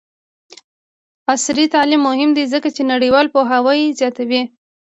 عصري تعلیم مهم دی ځکه چې نړیوال پوهاوی زیاتوي.